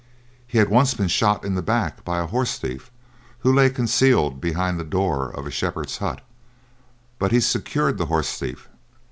He had once been shot in the back by a horse thief who lay concealed behind the door of a shepherd's hut, but he secured the horse thief.